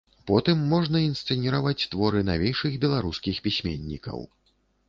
Потым можна інсцэніраваць творы навейшых беларускіх пісьменнікаў.